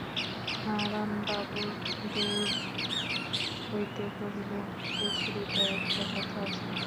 হারানবাবু দূর হইতে কহিলেন, সুচরিতা, একটা কথা আছে।